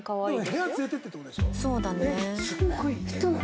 部屋連れて行ってって事でしょ。